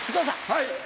はい！